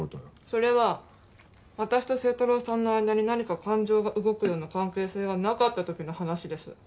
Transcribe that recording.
それは私と星太郎さんの間に何か感情が動くような関係性がなかった時の話です。